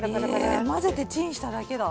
え混ぜてチンしただけだ。